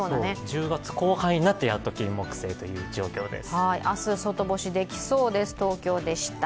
１０月後半になって、やっとキンモクセイという状況です。